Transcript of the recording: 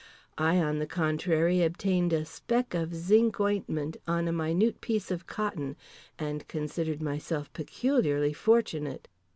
I, on the contrary, obtained a speck of zinc ointment on a minute piece of cotton, and considered myself peculiarly fortunate.